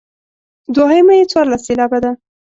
دوهمه یې څوارلس سېلابه ده.